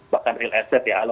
bahkan real estate ya